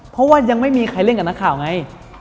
เพราะว่ายังไม่มีใครเล่นกับนักข่าวไง